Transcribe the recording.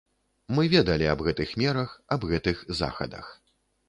Мы ведалі аб гэтых мерах, аб гэтых захадах.